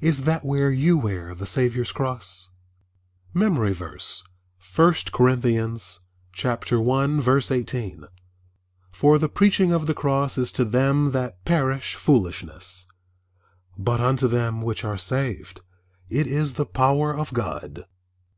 Is that where you wear the Saviour's cross? MEMORY VERSE, I Corinthians 1: 18 "For the preaching of the cross is to them that perish foolishness; but unto them which are saved it is the power of God."